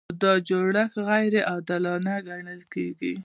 نو دا جوړښت غیر عادلانه ګڼل کیږي.